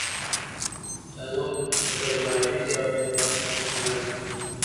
تنور د درناوي او مهربانۍ سرچینه ده